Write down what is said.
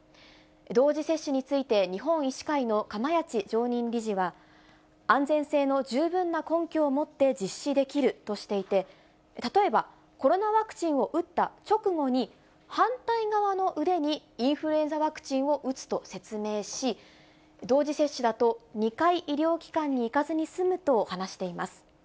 同時接種について、日本医師会の釜萢常任理事は、安全性の十分な根拠を持って実施できるとしていて、例えば、コロナワクチンを打った直後に、反対側の腕にインフルエンザワクチンを打つと説明し、同時接種だと２回医療機関に行かずに済むと話しています。